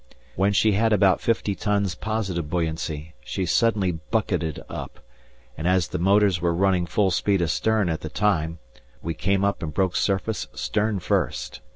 When she had about fifty tons positive buoyancy she suddenly bucketed up, and, as the motors were running full speed astern at the time, we came up and broke surface stern first.